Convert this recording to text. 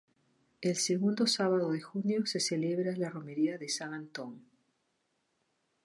El segundo sábado de junio se celebra la romería de "San Antón".